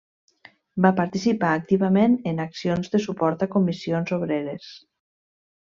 Va participar activament en accions de suport a Comissions Obreres.